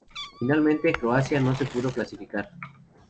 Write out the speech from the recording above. Finalmente, Croacia no se pudo clasificar.